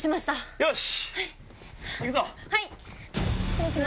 よし！